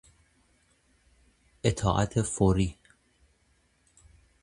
اطاعت فوری